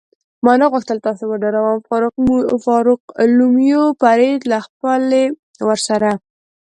ما نه غوښتل تاسې وډاروم، فاروقلومیو فرید له خپلې ورسره.